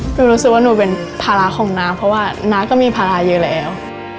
รู้สึกว่าหนูเป็นภาระของน้าเพราะว่าน้าก็มีภาระเยอะแล้ว